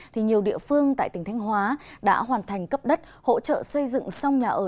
thì nhiều địa phương tại tỉnh thanh hóa đã hoàn thành cấp đất hỗ trợ xây dựng xong nhà ở